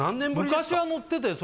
昔は乗ってたよ